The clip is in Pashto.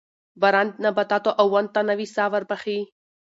باران نباتاتو او ونو ته نوې ساه وربخښي